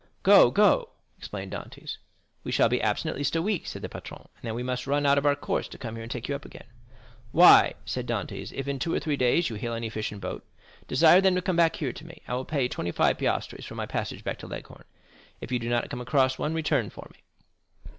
"Go, go!" exclaimed Dantès. "We shall be absent at least a week," said the patron, "and then we must run out of our course to come here and take you up again." "Why," said Dantès, "if in two or three days you hail any fishing boat, desire them to come here to me. I will pay twenty five piastres for my passage back to Leghorn. If you do not come across one, return for me."